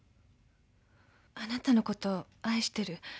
あなたのこと愛してる。